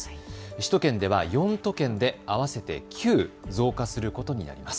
首都圏では４都県で合わせて９増加することになります。